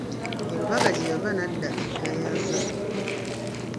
E Lubaga, gye yava n'adda e Gayaza.